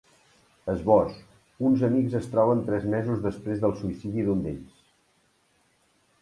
Esbós: Uns amics es troben tres mesos després del suïcidi d’un d’ells.